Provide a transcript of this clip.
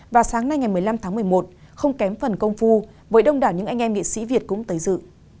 và sáng nay ngày một mươi năm tháng một mươi một không kém phần công phu với đông đảo những anh em nghệ sĩ việt cũng tới dự